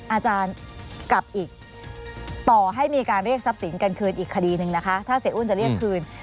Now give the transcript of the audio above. อาจารย์กับอีกต่อให้มีการเรียกทรัพย์สินกันคืนอีกคดีหนึ่งนะคะถ้าเสียอ้วนจะเรียกคืน